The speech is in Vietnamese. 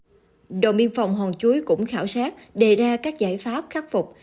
bộ độ đông phòng hòn chuối cũng khảo sát đề ra các giải pháp khắc phục